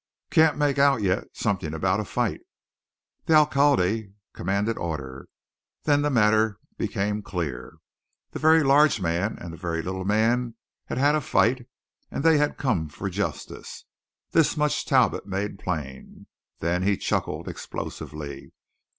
"Can't make out yet; something about a fight." The alcalde commanded order. Then the matter became clear. The very large man and the very little man had had a fight, and they had come for justice. This much Talbot made plain. Then he chuckled explosively.